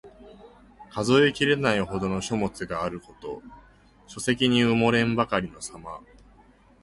数えきれないほどの書物があること。書籍に埋もれんばかりのさま。